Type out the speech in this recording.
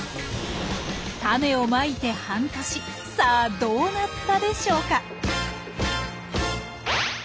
タネをまいて半年さあどうなったでしょうか？